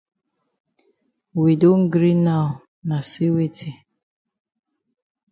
We don gree now na say weti?